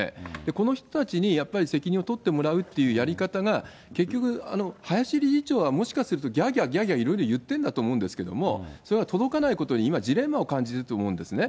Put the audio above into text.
この人たちにやっぱり責任を取ってもらうというやり方が結局、林理事長はもしかすると、ぎゃーぎゃーぎゃーぎゃーいろいろ言ってんだと思うんですけど、それが届かないことに今、ジレンマを感じると思うんですね。